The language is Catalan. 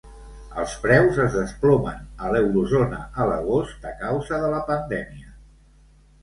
Els preus es desplomen a l'Eurozona a l'agost a causa de la pandèmia.